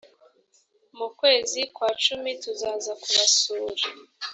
mu kwezi kwa cumi tuzaza kubasura.